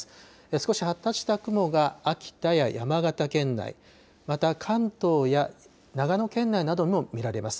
少し発達した雲が秋田や山形県内、また、関東や長野県内などにも見られます。